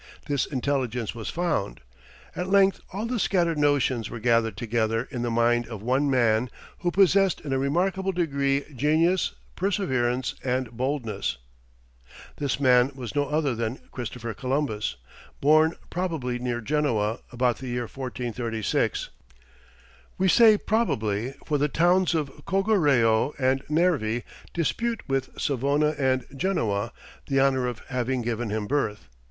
This intelligence was found. At length all the scattered notions were gathered together in the mind of one man, who possessed in a remarkable degree genius, perseverance, and boldness. [Illustration: Christopher Columbus.] This man was no other than Christopher Columbus, born, probably near Genoa, about the year 1436. We say "probably," for the towns of Cogoreo and Nervi dispute with Savona and Genoa, the honour of having given him birth.